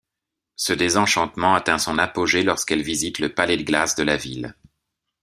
Ce désenchantement atteint son apogée lorsqu'elle visite le Palais de glace de la ville.